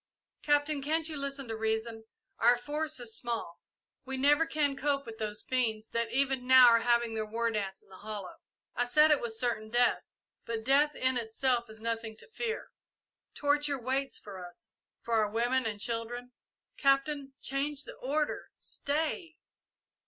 "Captain, can't you listen to reason? Our force is small. We never can cope with those fiends that even now are having their war dance in the hollow. I said it was certain death, but death in itself is nothing to fear. Torture waits for us for our women and children. Captain, change the order stay!"